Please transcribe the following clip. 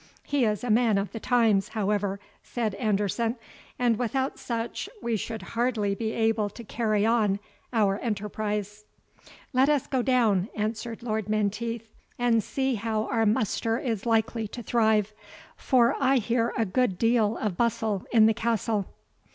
"He is a man of the times, however," said Anderson; "and without such we should hardly be able to carry on our enterprise." "Let us go down," answered Lord Menteith, "and see how our muster is likely to thrive, for I hear a good deal of bustle in the castle."